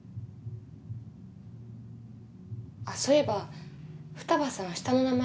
あっそういえば二葉さん下の名前